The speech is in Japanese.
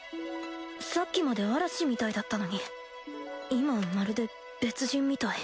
さっきまで嵐みたいだったのに今はまるで別人みたい。